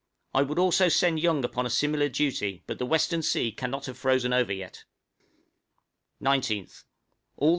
I would also send Young upon a similar duty, but the western sea cannot have frozen over yet. {FREQUENT GALES.